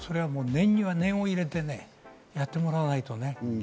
念には念を入れてね、やってもらわないとね。